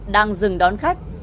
đang dừng đón khách